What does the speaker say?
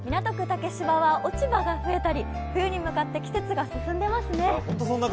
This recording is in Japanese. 竹芝は落ち葉が増えたり、冬に向かって季節が進んでますね。